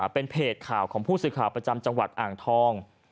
เป็นเพจข่าวของผู้สื่อข่าวประจำจังหวัดอ่างทอง